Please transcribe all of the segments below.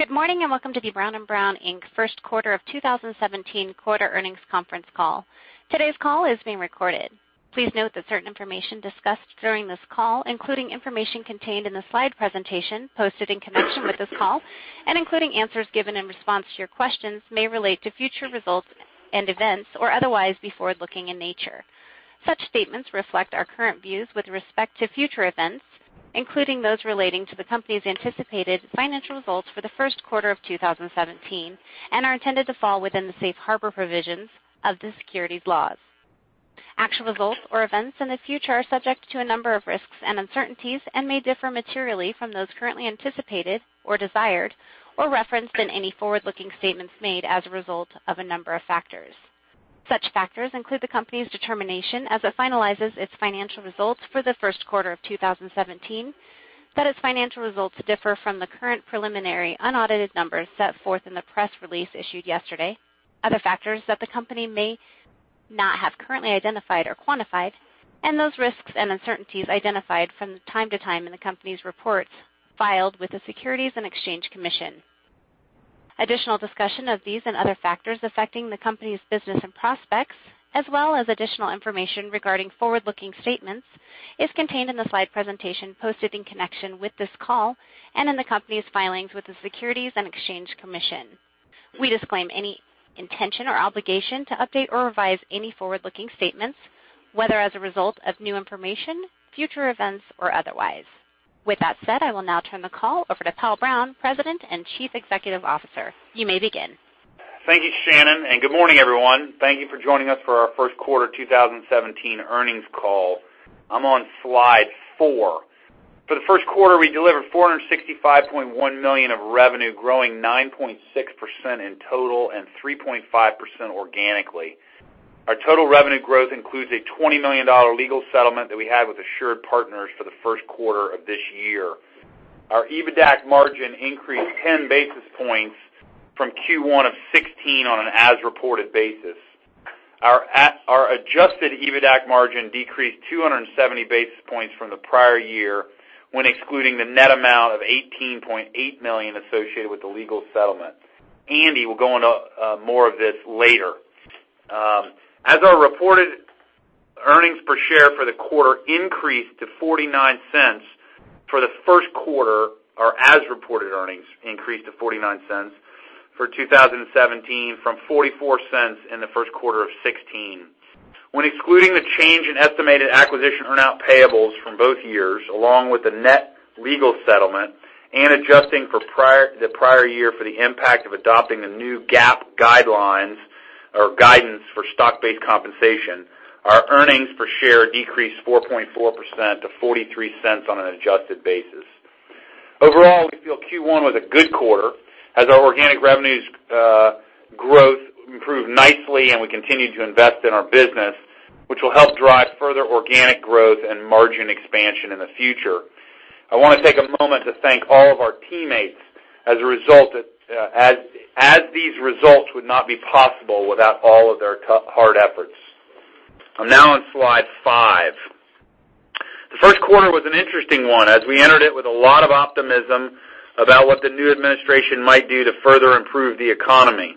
Good morning, and welcome to the Brown & Brown, Inc. first quarter of 2017 quarter earnings conference call. Today's call is being recorded. Please note that certain information discussed during this call, including information contained in the slide presentation posted in connection with this call, and including answers given in response to your questions, may relate to future results and events or otherwise be forward-looking in nature. Such statements reflect our current views with respect to future events, including those relating to the company's anticipated financial results for the first quarter of 2017, and are intended to fall within the safe harbor provisions of the securities laws. Actual results or events in the future are subject to a number of risks and uncertainties and may differ materially from those currently anticipated or desired or referenced in any forward-looking statements made as a result of a number of factors. Such factors include the company's determination as it finalizes its financial results for the first quarter of 2017, that its financial results differ from the current preliminary unaudited numbers set forth in the press release issued yesterday. Other factors that the company may not have currently identified or quantified, and those risks and uncertainties identified from time to time in the company's reports filed with the Securities and Exchange Commission. Additional discussion of these and other factors affecting the company's business and prospects, as well as additional information regarding forward-looking statements, is contained in the slide presentation posted in connection with this call and in the company's filings with the Securities and Exchange Commission. We disclaim any intention or obligation to update or revise any forward-looking statements, whether as a result of new information, future events, or otherwise. With that said, I will now turn the call over to Powell Brown, President and Chief Executive Officer. You may begin. Thank you, Shannon, and good morning, everyone. Thank you for joining us for our first quarter 2017 earnings call. I'm on slide four. For the first quarter, we delivered $465.1 million of revenue, growing 9.6% in total and 3.5% organically. Our total revenue growth includes a $20 million legal settlement that we had with AssuredPartners for the first quarter of this year. Our EBITDA margin increased 10 basis points from Q1 of 2016 on an as-reported basis. Our adjusted EBITDA margin decreased 270 basis points from the prior year, when excluding the net amount of $18.8 million associated with the legal settlement. Andy will go into more of this later. As our reported earnings per share for the quarter increased to $0.49 for the first quarter, our as-reported earnings increased to $0.49 for 2017 from $0.44 in the first quarter of 2016. When excluding the change in estimated acquisition earn-out payables from both years, along with the net legal settlement and adjusting the prior year for the impact of adopting the new GAAP guidelines or guidance for stock-based compensation, our earnings per share decreased 4.4% to $0.43 on an adjusted basis. Overall, we feel Q1 was a good quarter as our organic revenues growth improved nicely and we continued to invest in our business, which will help drive further organic growth and margin expansion in the future. I want to take a moment to thank all of our teammates, as these results would not be possible without all of their hard efforts. I'm now on slide five. The first quarter was an interesting one as we entered it with a lot of optimism about what the new administration might do to further improve the economy.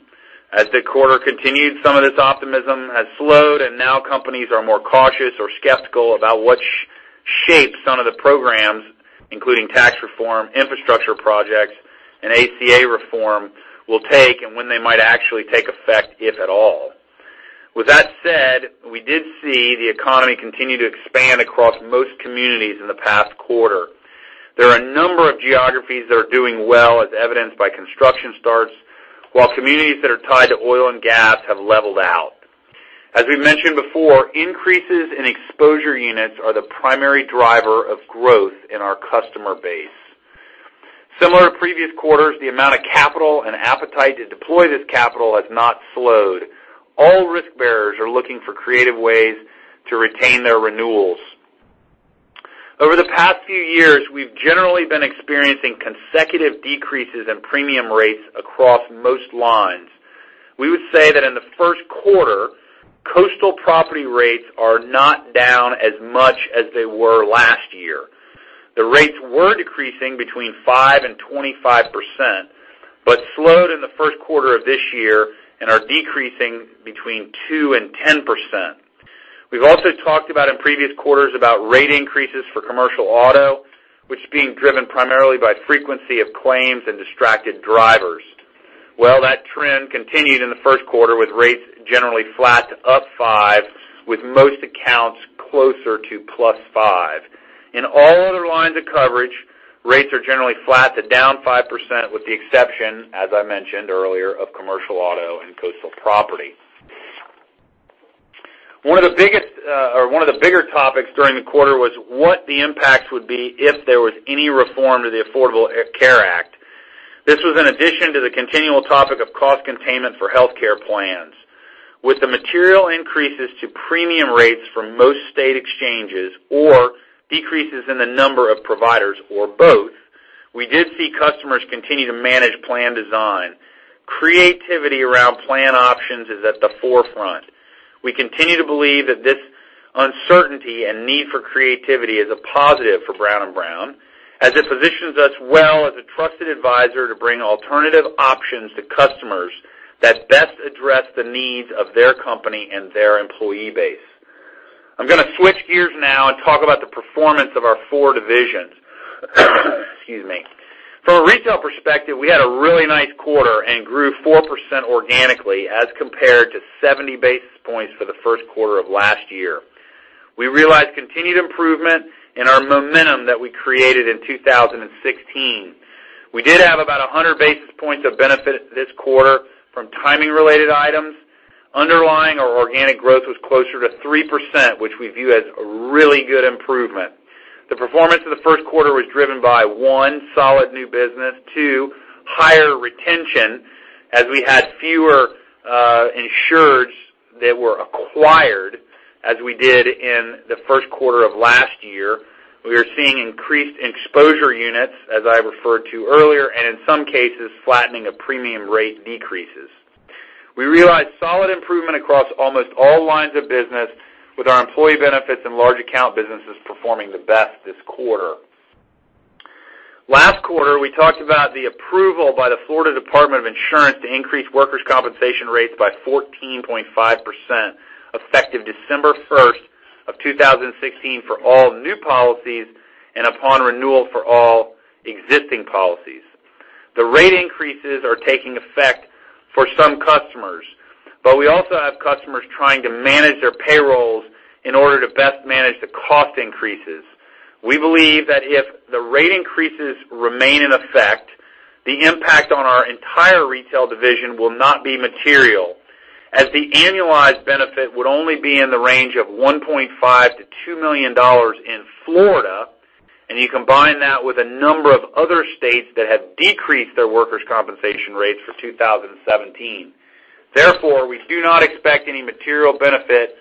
As the quarter continued, some of this optimism has slowed and now companies are more cautious or skeptical about what shape some of the programs, including tax reform, infrastructure projects, and ACA reform will take and when they might actually take effect, if at all. With that said, we did see the economy continue to expand across most communities in the past quarter. There are a number of geographies that are doing well, as evidenced by construction starts, while communities that are tied to oil and gas have leveled out. As we mentioned before, increases in exposure units are the primary driver of growth in our customer base. Similar to previous quarters, the amount of capital and appetite to deploy this capital has not slowed. All risk bearers are looking for creative ways to retain their renewals. Over the past few years, we've generally been experiencing consecutive decreases in premium rates across most lines. We would say that in the first quarter, coastal property rates are not down as much as they were last year. The rates were decreasing between 5%-25%, but slowed in the first quarter of this year and are decreasing between 2%-10%. We've also talked about in previous quarters about rate increases for commercial auto, which is being driven primarily by frequency of claims and distracted drivers. Well, that trend continued in the first quarter with rates generally flat to +5% with most accounts closer to +5%. In all other lines of coverage, rates are generally flat to -5% with the exception, as I mentioned earlier, of commercial auto and coastal property. One of the bigger topics during the quarter was what the impact would be if there was any reform to the Affordable Care Act. This was an addition to the continual topic of cost containment for healthcare plans. With the material increases to premium rates for most state exchanges or decreases in the number of providers or both, we did see customers continue to manage plan design. Creativity around plan options is at the forefront. We continue to believe that this uncertainty and need for creativity is a positive for Brown & Brown, as it positions us well as a trusted advisor to bring alternative options to customers that best address the needs of their company and their employee base. I'm going to switch gears now and talk about the performance of our four divisions. Excuse me. From a retail perspective, we had a really nice quarter and grew 4% organically as compared to 70 basis points for the first quarter of last year. We realized continued improvement in our momentum that we created in 2016. We did have about 100 basis points of benefit this quarter from timing related items. Underlying our organic growth was closer to 3%, which we view as a really good improvement. The performance of the first quarter was driven by, one, solid new business, two, higher retention, as we had fewer insureds that were acquired as we did in the first quarter of last year. We are seeing increased exposure units, as I referred to earlier, and in some cases, flattening of premium rate decreases. We realized solid improvement across almost all lines of business with our employee benefits and large account businesses performing the best this quarter. Last quarter, we talked about the approval by the Florida Office of Insurance Regulation to increase workers' compensation rates by 14.5%, effective December 1st of 2016 for all new policies and upon renewal for all existing policies. The rate increases are taking effect for some customers, but we also have customers trying to manage their payrolls in order to best manage the cost increases. We believe that if the rate increases remain in effect, the impact on our entire retail division will not be material, as the annualized benefit would only be in the range of $1.5 million to $2 million in Florida, and you combine that with a number of other states that have decreased their workers' compensation rates for 2017. We do not expect any material benefit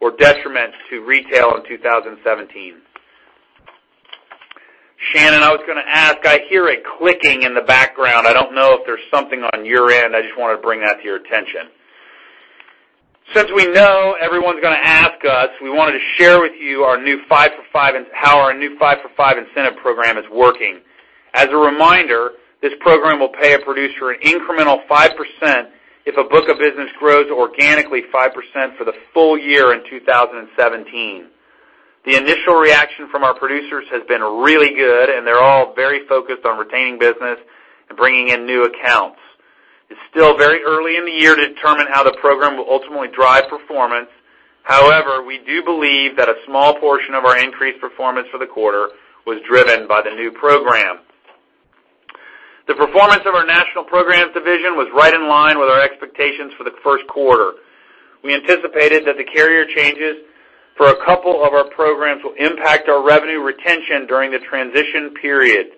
or detriment to retail in 2017. Shannon, I was going to ask, I hear a clicking in the background. I don't know if there's something on your end. I just wanted to bring that to your attention. Since we know everyone's going to ask us, we wanted to share with you how our new five for five incentive program is working. As a reminder, this program will pay a producer an incremental 5% if a book of business grows organically 5% for the full year in 2017. The initial reaction from our producers has been really good, and they're all very focused on retaining business and bringing in new accounts. It's still very early in the year to determine how the program will ultimately drive performance. We do believe that a small portion of our increased performance for the quarter was driven by the new program. The performance of our national programs division was right in line with our expectations for the first quarter. We anticipated that the carrier changes for a couple of our programs will impact our revenue retention during the transition period.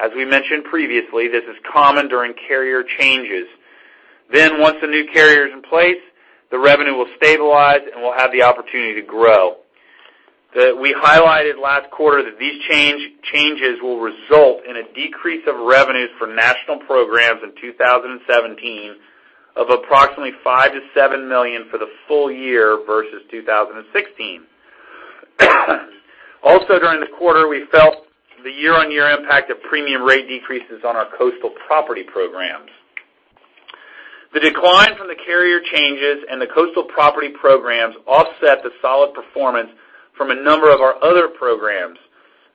As we mentioned previously, this is common during carrier changes. Once the new carrier is in place, the revenue will stabilize, and we'll have the opportunity to grow. We highlighted last quarter that these changes will result in a decrease of revenues for national programs in 2017 of approximately $5 million-$7 million for the full year versus 2016. During the quarter, we felt the year-on-year impact of premium rate decreases on our coastal property programs. The decline from the carrier changes and the coastal property programs offset the solid performance from a number of our other programs.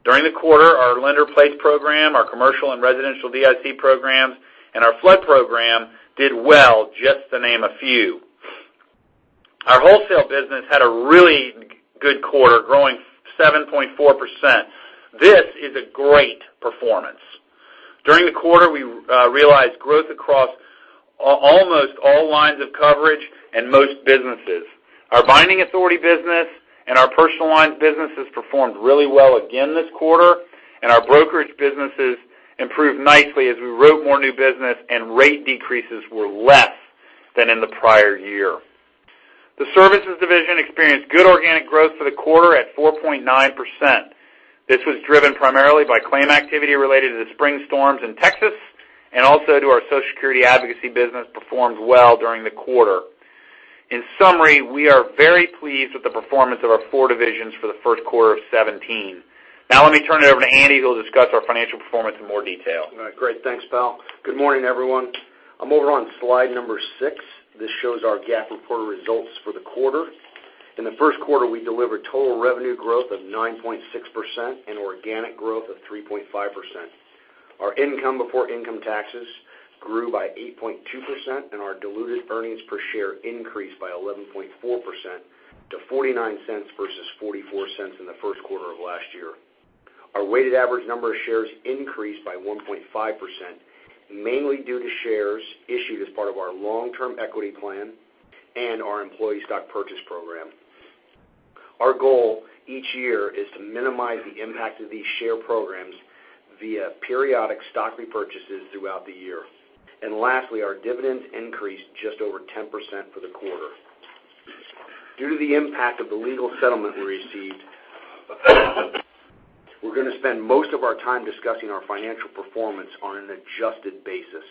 During the quarter, our lender placed program, our commercial and residential DIC programs, and our flood program did well, just to name a few. Our wholesale business had a really good quarter, growing 7.4%. This is a great performance. During the quarter, we realized growth across almost all lines of coverage and most businesses. Our binding authority business and our personal lines businesses performed really well again this quarter, and our brokerage businesses improved nicely as we wrote more new business and rate decreases were less than in the prior year. The services division experienced good organic growth for the quarter at 4.9%. This was driven primarily by claim activity related to the spring storms in Texas, and also to our Social Security advocacy business, performed well during the quarter. In summary, we are very pleased with the performance of our four divisions for the first quarter of 2017. Now let me turn it over to Andy, who will discuss our financial performance in more detail. All right, great. Thanks, Powell. Good morning, everyone. I am over on slide number six. This shows our GAAP reported results for the quarter. In the first quarter, we delivered total revenue growth of 9.6% and organic growth of 3.5%. Our income before income taxes grew by 8.2%, and our diluted earnings per share increased by 11.4% to $0.49 versus $0.44 in the first quarter of last year. Our weighted average number of shares increased by 1.5%, mainly due to shares issued as part of our long-term equity plan and our employee stock purchase program. Our goal each year is to minimize the impact of these share programs via periodic stock repurchases throughout the year. Lastly, our dividends increased just over 10% for the quarter. Due to the impact of the legal settlement we received, we are going to spend most of our time discussing our financial performance on an adjusted basis.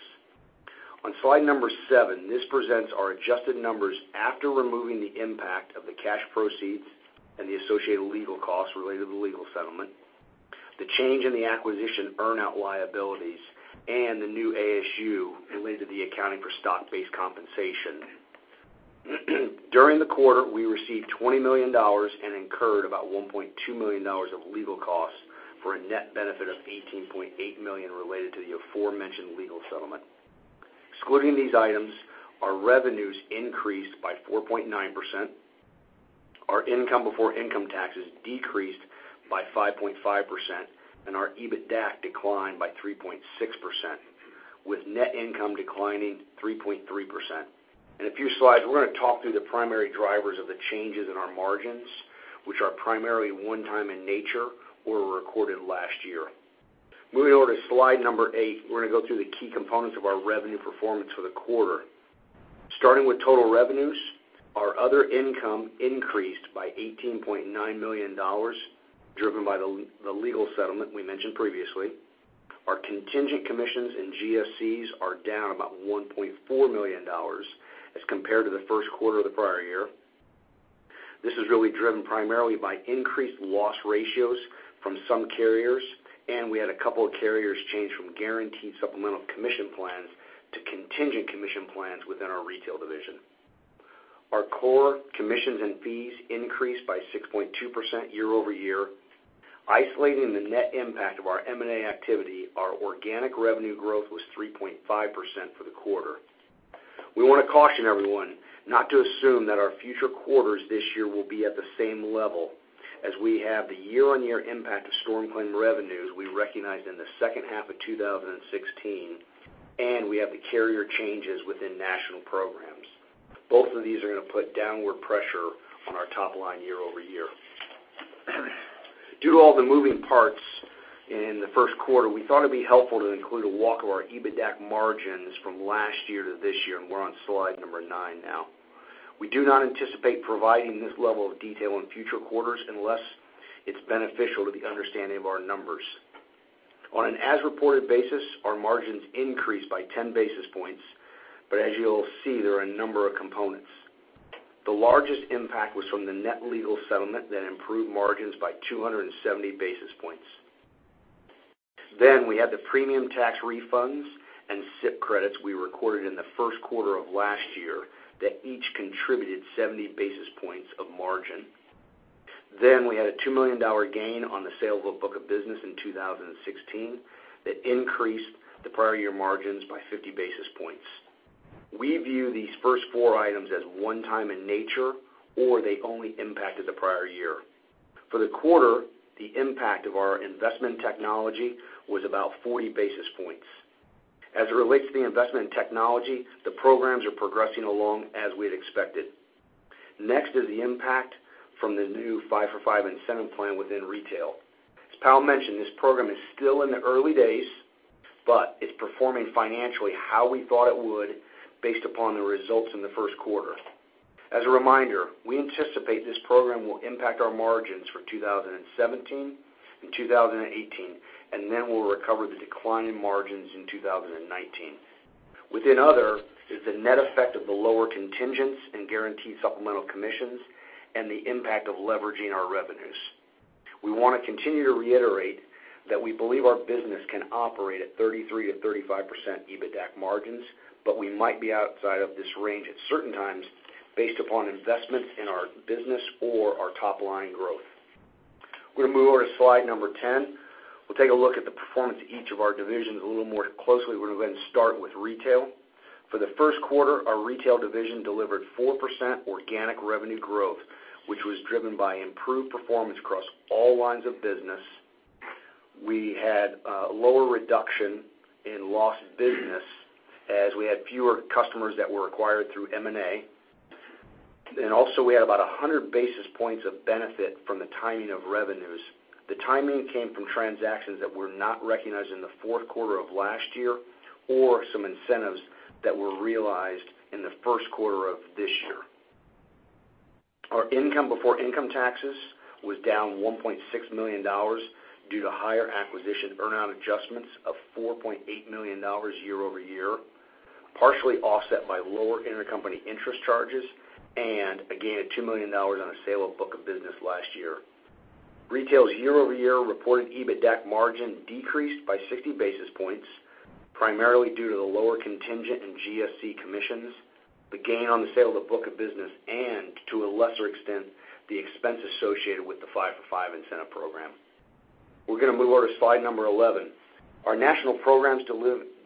On slide number seven, this presents our adjusted numbers after removing the impact of the cash proceeds and the associated legal costs related to the legal settlement, the change in the acquisition earn-out liabilities, and the new ASU related to the accounting for stock-based compensation. During the quarter, we received $20 million and incurred about $1.2 million of legal costs for a net benefit of $18.8 million related to the aforementioned legal settlement. Excluding these items, our revenues increased by 4.9%, our income before income taxes decreased by 5.5%, and our EBITDAC declined by 3.6%, with net income declining 3.3%. In a few slides, we are going to talk through the primary drivers of the changes in our margins, which are primarily one time in nature or were recorded last year. Moving over to slide number eight, we are going to go through the key components of our revenue performance for the quarter. Starting with total revenues, our other income increased by $18.9 million, driven by the legal settlement we mentioned previously. Our contingent commissions and GSCs are down about $1.4 million as compared to the first quarter of the prior year. This is really driven primarily by increased loss ratios from some carriers, and we had a couple of carriers change from guaranteed supplemental commission plans to contingent commission plans within our retail division. Our core commissions and fees increased by 6.2% year-over-year. Isolating the net impact of our M&A activity, our organic revenue growth was 3.5% for the quarter. We want to caution everyone not to assume that our future quarters this year will be at the same level, as we have the year-over-year impact of storm claim revenues we recognized in the second half of 2016, and we have the carrier changes within national programs. Both of these are going to put downward pressure on our top line year-over-year. Due to all the moving parts in the first quarter, we thought it'd be helpful to include a walk of our EBITDAC margins from last year to this year, and we're on slide number nine now. We do not anticipate providing this level of detail in future quarters unless it's beneficial to the understanding of our numbers. On an as reported basis, our margins increased by 10 basis points, but as you'll see, there are a number of components. The largest impact was from the net legal settlement that improved margins by 270 basis points. We had the premium tax refunds and SIP credits we recorded in the first quarter of last year that each contributed 70 basis points of margin. We had a $2 million gain on the sale of a book of business in 2016 that increased the prior year margins by 50 basis points. We view these first four items as one-time in nature, or they only impacted the prior year. For the quarter, the impact of our investment technology was about 40 basis points. As it relates to the investment in technology, the programs are progressing along as we'd expected. Next is the impact from the new Five for Five incentive plan within retail. As Powell mentioned, this program is still in the early days, but it's performing financially how we thought it would based upon the results in the first quarter. As a reminder, we anticipate this program will impact our margins for 2017 and 2018, and then we'll recover the decline in margins in 2019. Within other, is the net effect of the lower contingents and guaranteed supplemental commissions and the impact of leveraging our revenues. We want to continue to reiterate that we believe our business can operate at 33%-35% EBITDAC margins, but we might be outside of this range at certain times based upon investments in our business or our top line growth. We're going to move over to slide number 10. We'll take a look at the performance of each of our divisions a little more closely. We're going to start with retail. For the first quarter, our retail division delivered 4% organic revenue growth, which was driven by improved performance across all lines of business. We had a lower reduction in lost business as we had fewer customers that were acquired through M&A. Also, we had about 100 basis points of benefit from the timing of revenues. The timing came from transactions that were not recognized in the fourth quarter of last year or some incentives that were realized in the first quarter of this year. Our income before income taxes was down $1.6 million due to higher acquisition earn-out adjustments of $4.8 million year-over-year, partially offset by lower intercompany interest charges and a gain of $2 million on a sale of book of business last year. Retail's year-over-year reported EBITDAC margin decreased by 60 basis points, primarily due to the lower contingent and GSC commissions, the gain on the sale of the book of business, and to a lesser extent, the expense associated with the five for five incentive program. We're going to move over to slide 11. Our national programs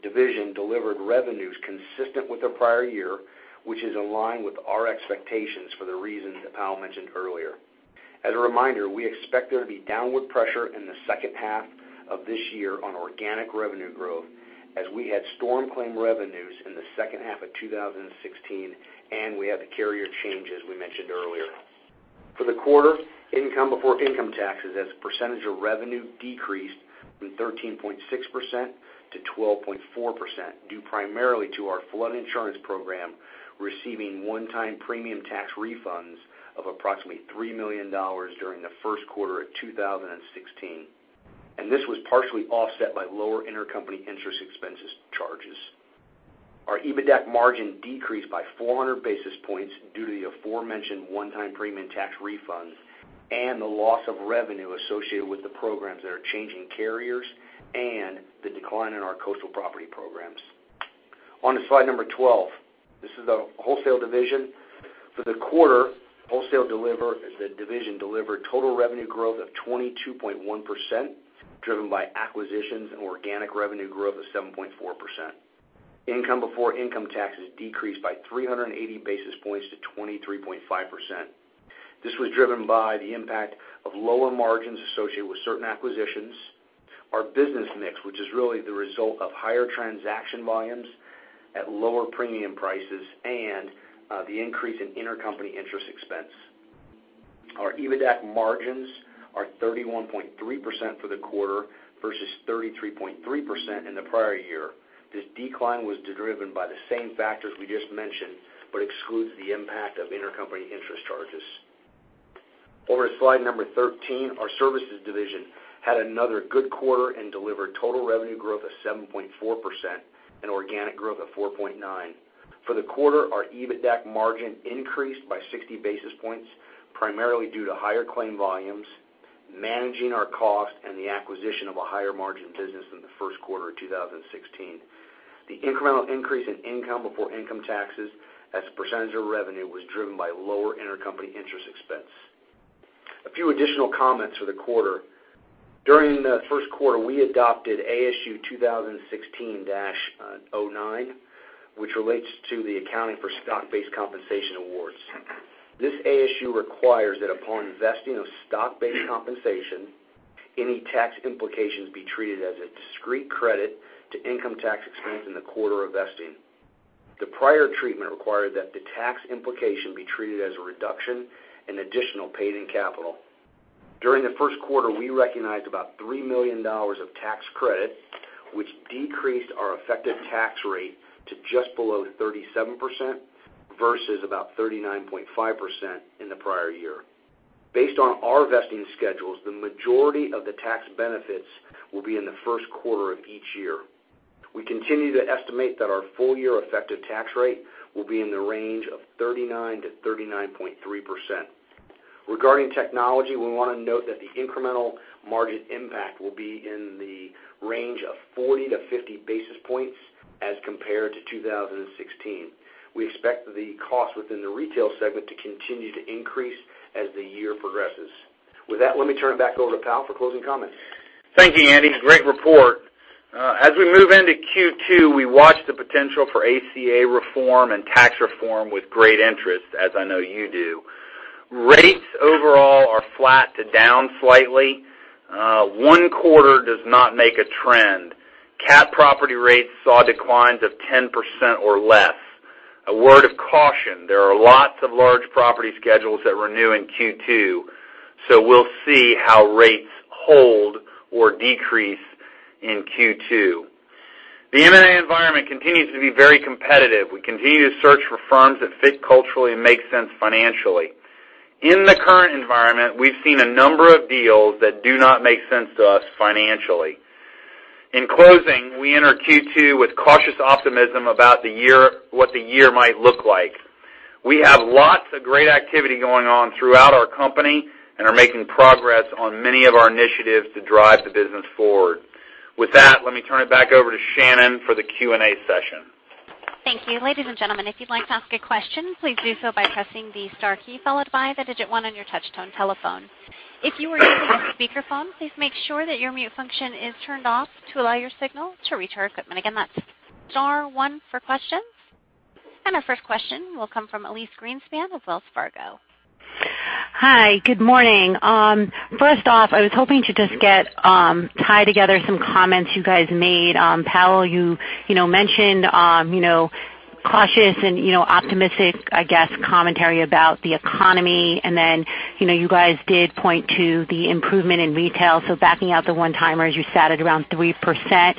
division delivered revenues consistent with the prior year, which is in line with our expectations for the reasons that Powell mentioned earlier. As a reminder, we expect there to be downward pressure in the second half of this year on organic revenue growth as we had storm claim revenues in the second half of 2016, and we had the carrier changes we mentioned earlier. For the quarter, income before income taxes as a percentage of revenue decreased from 13.6% to 12.4%, due primarily to our flood insurance program receiving one-time premium tax refunds of approximately $3 million during the first quarter of 2016. This was partially offset by lower intercompany interest expenses charges. Our EBITDAC margin decreased by 400 basis points due to the aforementioned one-time premium tax refunds and the loss of revenue associated with the programs that are changing carriers and the decline in our coastal property programs. On to slide 12. This is the wholesale division. For the quarter, the division delivered total revenue growth of 22.1%, driven by acquisitions and organic revenue growth of 7.4%. Income before income taxes decreased by 380 basis points to 23.5%. This was driven by the impact of lower margins associated with certain acquisitions, our business mix, which is really the result of higher transaction volumes at lower premium prices, and the increase in intercompany interest expense. Our EBITDAC margins are 31.3% for the quarter versus 33.3% in the prior year. This decline was driven by the same factors we just mentioned, but excludes the impact of intercompany interest charges. Over to slide 13, our services division had another good quarter and delivered total revenue growth of 7.4% and organic growth of 4.9%. For the quarter, our EBITDAC margin increased by 60 basis points, primarily due to higher claim volumes, managing our cost, and the acquisition of a higher margin business in the first quarter of 2016. The incremental increase in income before income taxes as a percentage of revenue was driven by lower intercompany interest expense. A few additional comments for the quarter. During the first quarter, we adopted ASU 2016-09, which relates to the accounting for stock-based compensation awards. This ASU requires that upon vesting of stock-based compensation, any tax implications be treated as a discrete credit to income tax expense in the quarter of vesting. The prior treatment required that the tax implication be treated as a reduction in additional paid-in capital. During the first quarter, we recognized about $3 million of tax credit, which decreased our effective tax rate to just below 37%, versus about 39.5% in the prior year. Based on our vesting schedules, the majority of the tax benefits will be in the first quarter of each year. We continue to estimate that our full year effective tax rate will be in the range of 39%-39.3%. Regarding technology, we want to note that the incremental margin impact will be in the range of 40 to 50 basis points as compared to 2016. We expect the cost within the retail segment to continue to increase as the year progresses. With that, let me turn it back over to Powell for closing comments. Thank you, Andy. Great report. As we move into Q2, we watch the potential for ACA reform and tax reform with great interest, as I know you do. Rates overall are flat to down slightly. One quarter does not make a trend. Cat property rates saw declines of 10% or less. A word of caution, there are lots of large property schedules that renew in Q2, so we'll see how rates hold or decrease in Q2. The M&A environment continues to be very competitive. We continue to search for firms that fit culturally and make sense financially. In the current environment, we've seen a number of deals that do not make sense to us financially. In closing, we enter Q2 with cautious optimism about what the year might look like. We have lots of great activity going on throughout our company and are making progress on many of our initiatives to drive the business forward. With that, let me turn it back over to Shannon for the Q&A session. Thank you. Ladies and gentlemen, if you'd like to ask a question, please do so by pressing the star key, followed by the digit one on your touch tone telephone. If you are using a speakerphone, please make sure that your mute function is turned off to allow your signal to reach our equipment. Again, that's star one for questions. Our first question will come from Elyse Greenspan of Wells Fargo. Hi. Good morning. First off, I was hoping to just tie together some comments you guys made. Powell, you mentioned cautious and optimistic, I guess, commentary about the economy, then you guys did point to the improvement in retail. Backing out the one-timers, you sat at around 3%.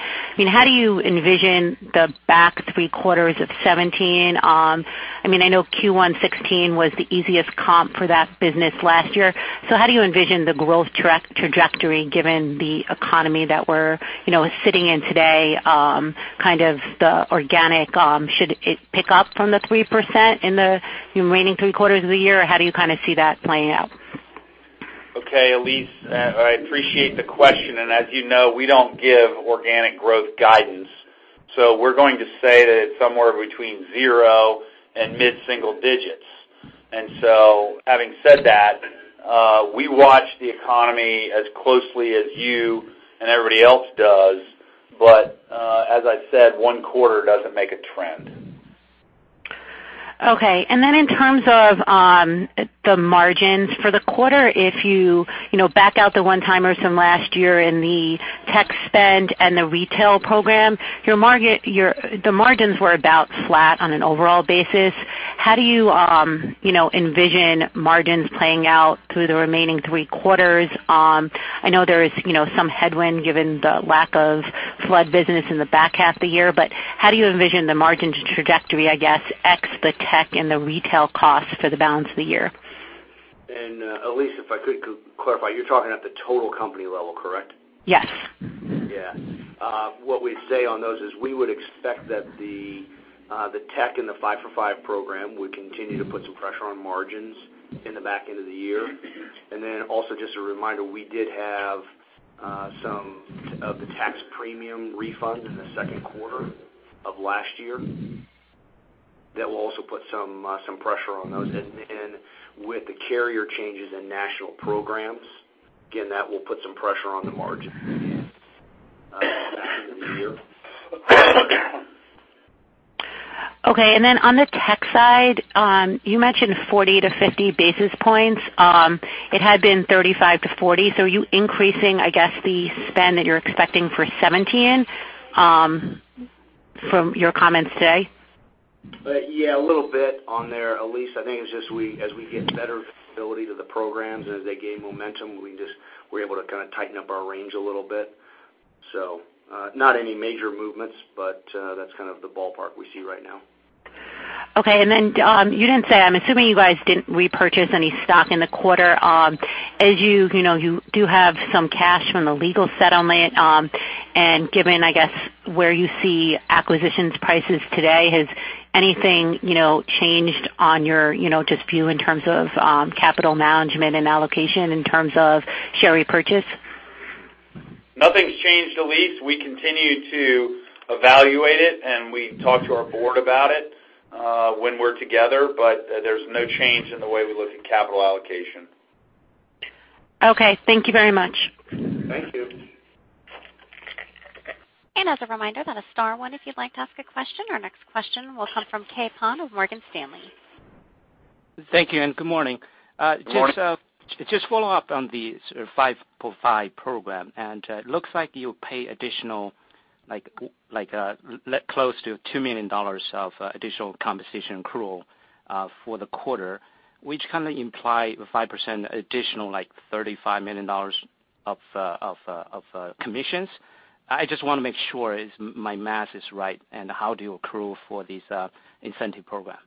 How do you envision the back three quarters of 2017 on— I know Q1 2016 was the easiest comp for that business last year. How do you envision the growth trajectory given the economy that we're sitting in today, kind of the organic, should it pick up from the 3% in the remaining three quarters of the year? How do you kind of see that playing out? Okay, Elyse, I appreciate the question, and as you know, we don't give organic growth guidance. We're going to say that it's somewhere between 0 and mid-single digits. Having said that, we watch the economy as closely as you and everybody else does. As I said, one quarter doesn't make a trend. Okay. In terms of the margins for the quarter, if you back out the one-timers from last year in the tech spend and the retail program, the margins were about flat on an overall basis. How do you envision margins playing out through the remaining three quarters? I know there is some headwind given the lack of flood business in the back half of the year, how do you envision the margin trajectory, I guess, ex the tech and the retail costs for the balance of the year? Elyse, if I could clarify, you're talking at the total company level, correct? Yes. Yeah. What we'd say on those is we would expect that the tech and the five for five program would continue to put some pressure on margins in the back end of the year. Also just a reminder, we did have some of the tax premium refund in the second quarter of last year. That will also put some pressure on those. With the carrier changes in national programs, again, that will put some pressure on the margin back end of the year. Okay, on the tech side, you mentioned 40 to 50 basis points. It had been 35 to 40, so are you increasing, I guess, the spend that you're expecting for 2017 from your comments today? Yeah, a little bit on there, Elyse. I think it's just as we get better visibility to the programs, and as they gain momentum, we're able to kind of tighten up our range a little bit. Not any major movements, but that's kind of the ballpark we see right now. Okay, you didn't say, I'm assuming you guys didn't repurchase any stock in the quarter. You do have some cash from the legal settlement, and given, I guess, where you see acquisitions prices today, has anything changed on your view in terms of capital management and allocation in terms of share repurchase? Nothing's changed, Elyse. We continue to evaluate it, and we talk to our board about it when we're together, but there's no change in the way we look at capital allocation. Okay, thank you very much. Thank you. As a reminder, that is star one if you'd like to ask a question. Our next question will come from Kai Pan of Morgan Stanley. Thank you, and good morning. Good morning. Just follow up on the five for five program, and it looks like you pay close to $2 million of additional compensation accrual for the quarter, which kind of imply 5% additional, like $35 million of commissions. I just want to make sure my math is right and how do you accrue for this incentive program?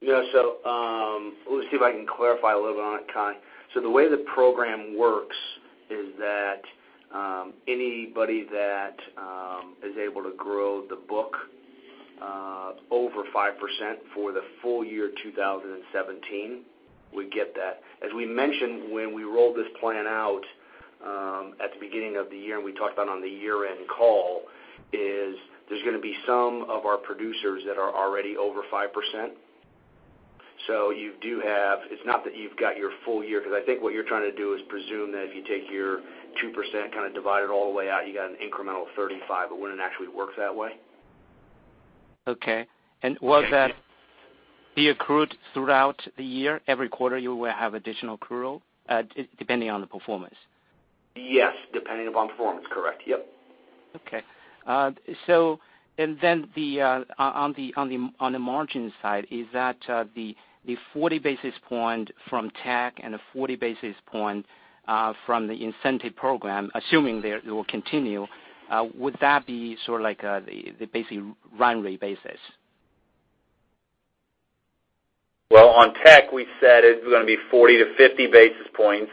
Yeah, let me see if I can clarify a little bit on it, Kai. The way the program works is that anybody that is able to grow the book over 5% for the full year 2017, would get that. As we mentioned when we rolled this plan out at the beginning of the year, and we talked about on the year-end call, is there's going to be some of our producers that are already over 5%. It's not that you've got your full year, because I think what you're trying to do is presume that if you take your 2%, kind of divide it all the way out, you got an incremental 35, but it wouldn't actually work that way. Okay. Will that be accrued throughout the year? Every quarter you will have additional accrual depending on the performance? Yes, depending upon performance. Correct. Yep. Okay. Then on the margin side, is that the 40 basis point from tech and the 40 basis point from the incentive program, assuming it will continue, would that be sort of like the basically run rate basis? Well, on tech, we said it was going to be 40 to 50 basis points,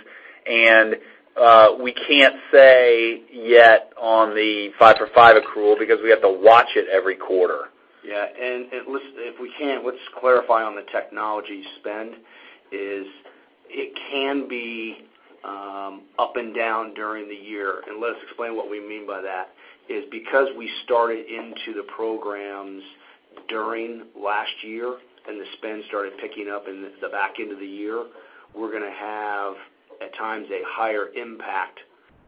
we can't say yet on the five for five accrual because we have to watch it every quarter. If we can, let's clarify on the technology spend. It can be up and down during the year. Let us explain what we mean by that, because we started into the programs during last year and the spend started picking up in the back end of the year, we're going to have, at times, a higher impact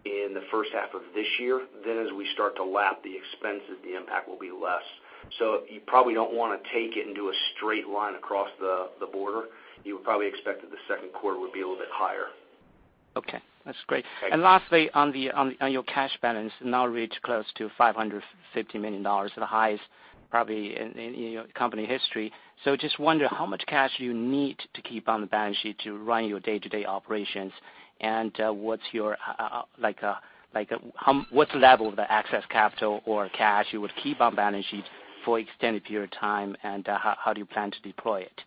in the first half of this year. As we start to lap the expenses, the impact will be less. You probably don't want to take it into a straight line across the board. You would probably expect that the second quarter would be a little bit higher. Okay. That's great. Lastly, on your cash balance, now reached close to $550 million, the highest probably in your company history. Just wonder how much cash you need to keep on the balance sheet to run your day-to-day operations, and what's the level of the excess capital or cash you would keep on balance sheet for extended period of time, and how do you plan to deploy it?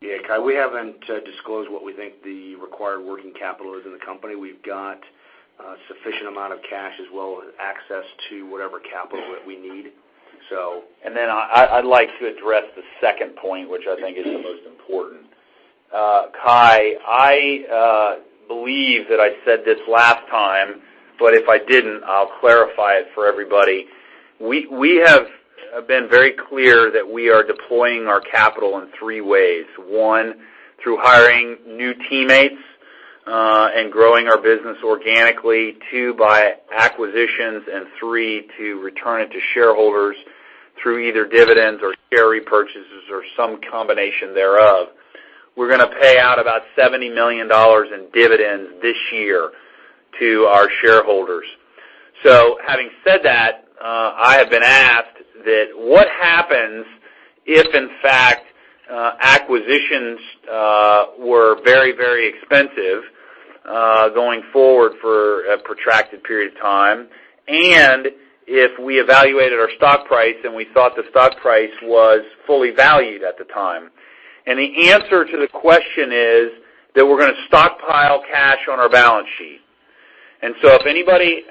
Yeah. Kai, we haven't disclosed what we think the required working capital is in the company. We've got a sufficient amount of cash as well as access to whatever capital that we need. I'd like to address the second point, which I think is the most important. Kai, I believe that I said this last time, but if I didn't, I'll clarify it for everybody. We have been very clear that we are deploying our capital in three ways, one, through hiring new teammates and growing our business organically. Two, by acquisitions, and three, to return it to shareholders through either dividends or share repurchases or some combination thereof. We're going to pay out about $70 million in dividends this year to our shareholders. Having said that, I have been asked that what happens if, in fact, acquisitions were very expensive going forward for a protracted period of time, and if we evaluated our stock price and we thought the stock price was fully valued at the time. The answer to the question is that we're going to stockpile cash on our balance sheet. If anybody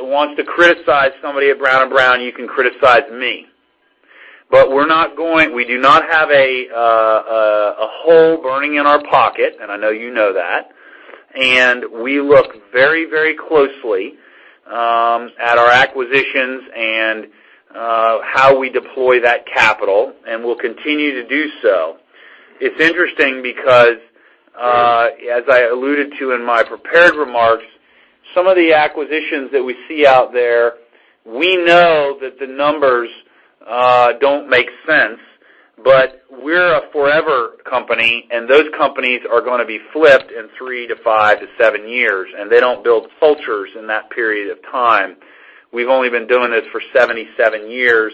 wants to criticize somebody at Brown & Brown, you can criticize me. We do not have a hole burning in our pocket, and I know you know that. We look very closely at our acquisitions and how we deploy that capital, and will continue to do so. It's interesting because, as I alluded to in my prepared remarks, some of the acquisitions that we see out there, we know that the numbers don't make sense, but we're a forever company, and those companies are going to be flipped in three to five to seven years. They don't build cultures in that period of time. We've only been doing this for 77 years,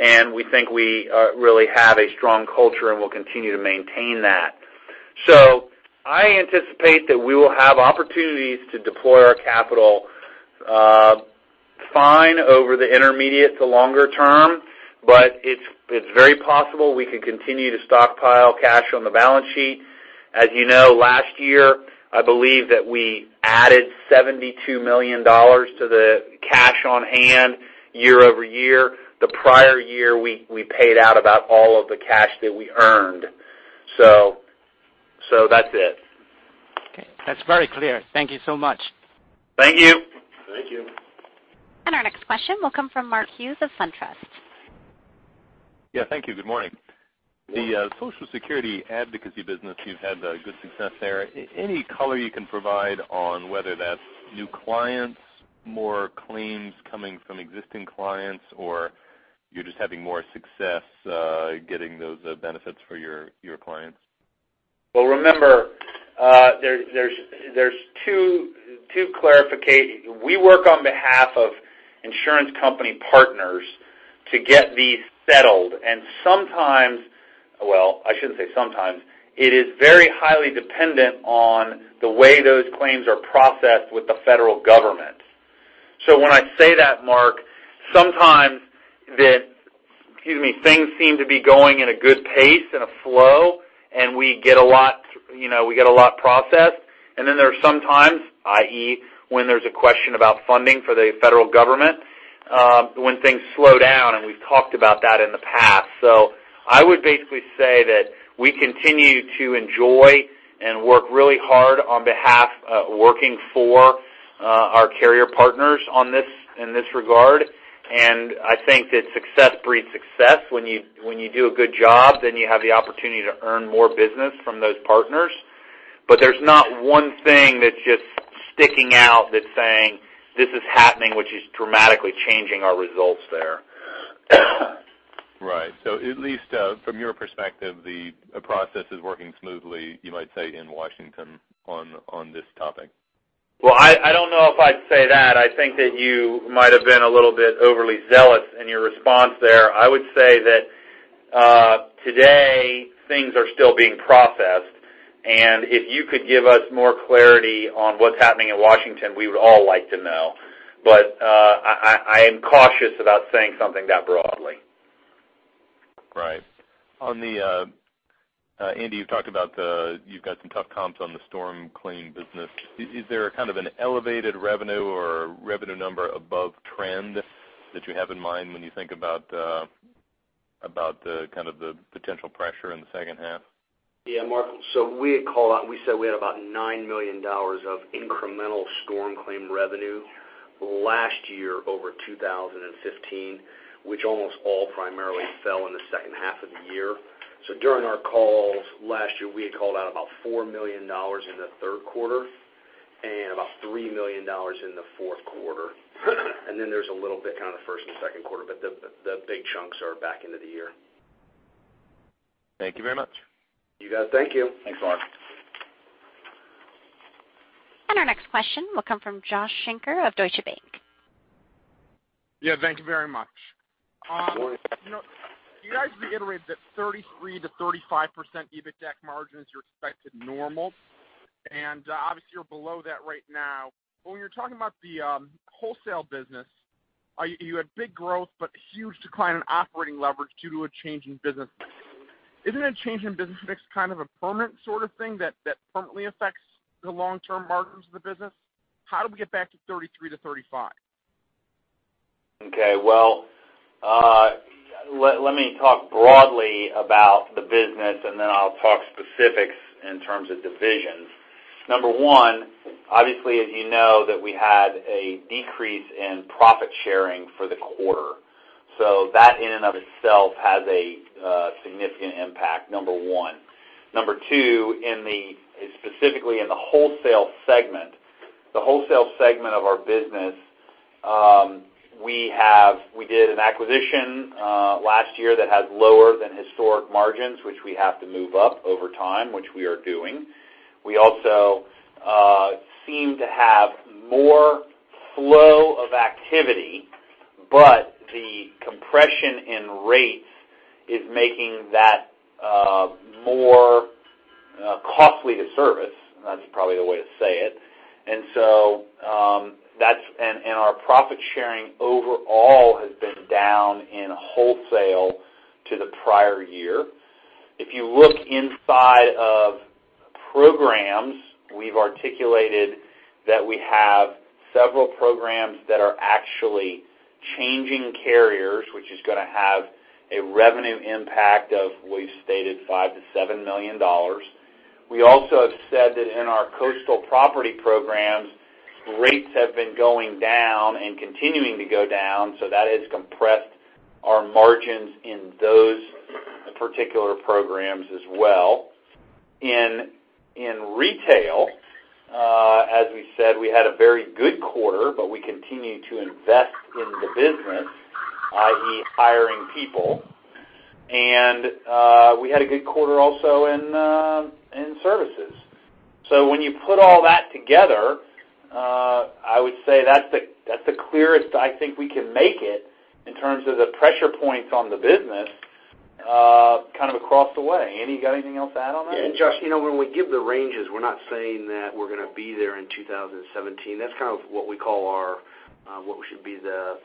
and we think we really have a strong culture, and we'll continue to maintain that. I anticipate that we will have opportunities to deploy our capital fine over the intermediate to longer term, but it's very possible we could continue to stockpile cash on the balance sheet. As you know, last year, I believe that we added $72 million to the cash on hand year-over-year. The prior year, we paid out about all of the cash that we earned. That's it. Okay. That's very clear. Thank you so much. Thank you. Thank you. Our next question will come from Mark Hughes of SunTrust. Yeah, thank you. Good morning. The Social Security advocacy business, you've had good success there. Any color you can provide on whether that's new clients, more claims coming from existing clients, or you're just having more success getting those benefits for your clients? Well, remember, there's two clarifications. We work on behalf of insurance company partners to get these settled, sometimes. I shouldn't say sometimes. It is very highly dependent on the way those claims are processed with the Federal Government. When I say that, Mark, sometimes things seem to be going in a good pace and a flow, and we get a lot processed. Then there are some times, i.e., when there's a question about funding for the Federal Government, when things slow down, and we've talked about that in the past. I would basically say that we continue to enjoy and work really hard on behalf, working for our carrier partners in this regard. I think that success breeds success. When you do a good job, then you have the opportunity to earn more business from those partners. There's not one thing that's just sticking out that's saying this is happening, which is dramatically changing our results there. Right. At least from your perspective, the process is working smoothly, you might say, in Washington on this topic. Well, I don't know if I'd say that. I think that you might have been a little bit overly zealous in your response there. I would say that today, things are still being processed, and if you could give us more clarity on what's happening in Washington, we would all like to know. I am cautious about saying something that broadly. Right. Andy, you've talked about you've got some tough comps on the storm claim business. Is there kind of an elevated revenue or revenue number above trend that you have in mind when you think about the potential pressure in the second half? Yeah, Mark, we had called out, we said we had about $9 million of incremental storm claim revenue last year over 2015, which almost all primarily fell in the second half of the year. During our calls last year, we had called out about $4 million in the third quarter and about $3 million in the fourth quarter. There's a little bit kind of first and second quarter, the big chunks are back end of the year. Thank you very much. You got it. Thank you. Thanks, Mark. Our next question will come from Joshua Shanker of Deutsche Bank. Yeah, thank you very much. Good morning. You guys reiterated that 33%-35% EBITDA margin is your expected normal, and obviously, you're below that right now. When you're talking about the wholesale business, you had big growth, but huge decline in operating leverage due to a change in business. Isn't a change in business mix kind of a permanent sort of thing that permanently affects the long-term margins of the business? How do we get back to 33%-35%? Okay. Well, let me talk broadly about the business, and then I'll talk specifics in terms of divisions. Number one, obviously, as you know, that we had a decrease in profit sharing for the quarter. That in and of itself has a significant impact, number one. Number two, specifically in the wholesale segment. The wholesale segment of our business, we did an acquisition last year that has lower than historic margins, which we have to move up over time, which we are doing. We also seem to have more flow of activity, but the compression in rates is making that more costly to service. That's probably the way to say it. Our profit-sharing overall has been down in wholesale to the prior year. If you look inside of programs, we've articulated that we have several programs that are actually changing carriers, which is going to have a revenue impact of, we've stated, $5 million-$7 million. We also have said that in our coastal property programs, rates have been going down and continuing to go down, that has compressed our margins in those particular programs as well. In retail, as we said, we had a very good quarter, but we continue to invest in the business, i.e., hiring people. We had a good quarter also in services. When you put all that together, I would say that's the clearest I think we can make it, in terms of the pressure points on the business, kind of across the way. Andy, you got anything else to add on that? Yeah, Josh, when we give the ranges, we're not saying that we're going to be there in 2017. That's kind of what we call our, what should be the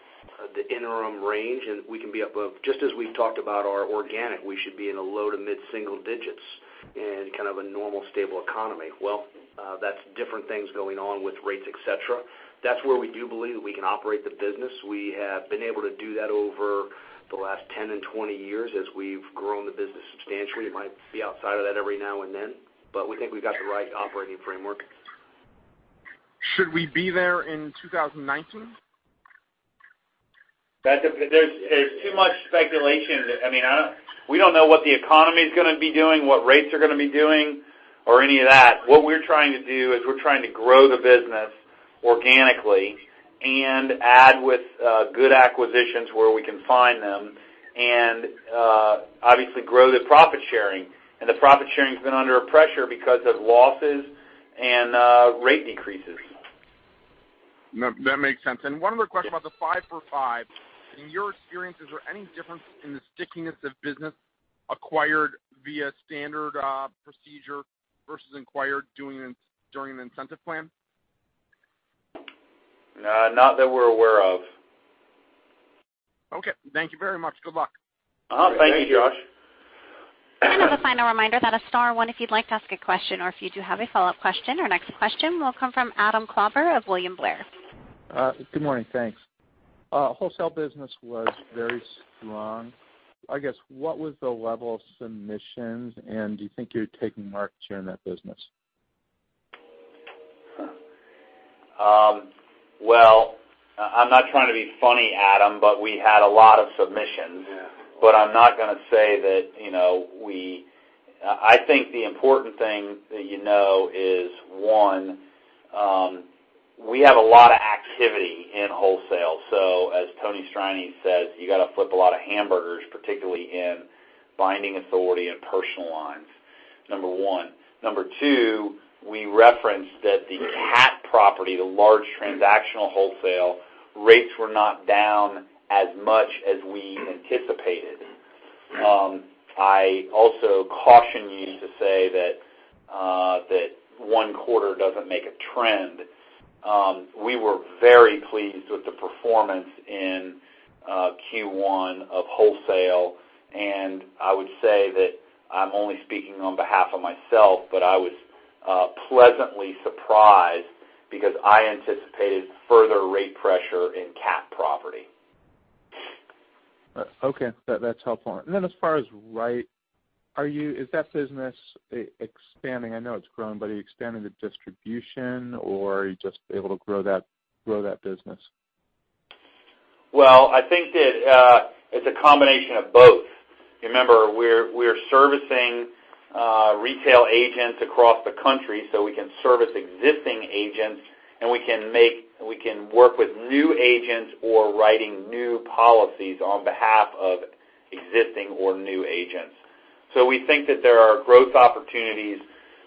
interim range, and we can be above. Just as we've talked about our organic, we should be in the low to mid-single digits in kind of a normal, stable economy. Well, that's different things going on with rates, et cetera. That's where we do believe that we can operate the business. We have been able to do that over the last 10 and 20 years as we've grown the business substantially. It might be outside of that every now and then, but we think we've got the right operating framework. Should we be there in 2019? There's too much speculation. We don't know what the economy's going to be doing, what rates are going to be doing, or any of that. What we're trying to do is we're trying to grow the business organically and add with good acquisitions where we can find them and obviously grow the profit-sharing. The profit-sharing's been under a pressure because of losses and rate increases. That makes sense. One other question about the five for five. In your experience, is there any difference in the stickiness of business acquired via standard procedure versus acquired during an incentive plan? Not that we're aware of. Okay. Thank you very much. Good luck. Thank you, Josh. As a final reminder, dial star one if you'd like to ask a question or if you do have a follow-up question. Our next question will come from Adam Klauber of William Blair. Good morning. Thanks. Wholesale business was very strong. I guess, what was the level of submissions, and do you think you're taking market share in that business? Well, I'm not trying to be funny, Adam, but we had a lot of submissions. Yeah. I'm not going to say that I think the important thing that you know is, one, we have a lot of activity in wholesale. As Anthony Strianese says, you got to flip a lot of hamburgers, particularly in binding authority and personal lines. Number one. Number two, we referenced that the CAT property, the large transactional wholesale rates were not down as much as we anticipated. I also caution you to say that one quarter doesn't make a trend. We were very pleased with the performance in Q1 of wholesale, and I would say that I'm only speaking on behalf of myself, but I was pleasantly surprised because I anticipated further rate pressure in CAT property. Okay. That's helpful. As far as Wright, is that business expanding? I know it's growing, but are you expanding the distribution, or are you just able to grow that business? Well, I think that it's a combination of both. Remember, we're servicing retail agents across the country, so we can service existing agents, and we can work with new agents or writing new policies on behalf of existing or new agents. We think that there are growth opportunities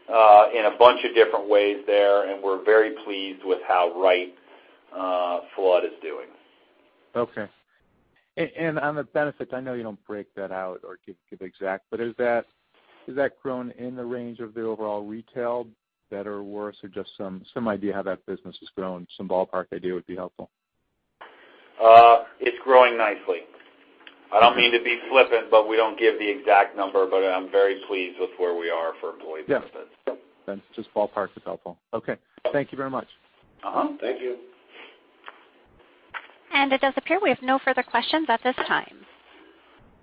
in a bunch of different ways there, and we're very pleased with how Wright Flood is doing. Okay. On the benefit, I know you don't break that out or give exact, has that grown in the range of the overall retail, better or worse, or just some idea how that business has grown? Some ballpark idea would be helpful. It's growing nicely. I don't mean to be flippant, we don't give the exact number, but I'm very pleased with where we are for employee benefits. Yeah. That's just ballpark that's helpful. Okay. Thank you very much. Thank you. It does appear we have no further questions at this time.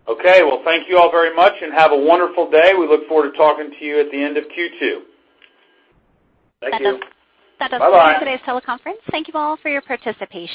Okay, well, thank you all very much, and have a wonderful day. We look forward to talking to you at the end of Q2. Thank you. That does conclude- Bye-bye today's teleconference. Thank you all for your participation